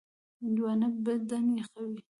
هندوانه بدن یخوي.